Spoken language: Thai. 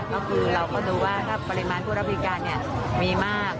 ก็คือเราก็ดูว่าถ้าปริมาณผู้รับบริการมีมาก